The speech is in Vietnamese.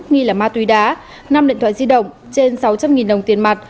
nghi là ma túy đá năm điện thoại di động trên sáu trăm linh đồng tiền mặt